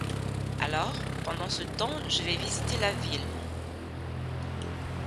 Alors, pendant ce temps, je vais visiter la ville.